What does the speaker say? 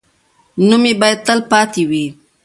نوم یې باید تل پاتې وي.